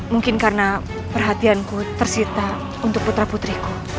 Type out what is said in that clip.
mungkin karena perhatianku tersita untuk putra putriku